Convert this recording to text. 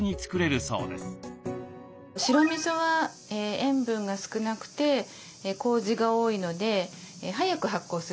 白みそは塩分が少なくてこうじが多いので早く発酵するんですね。